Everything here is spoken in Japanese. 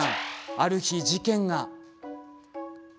ある日、事件が。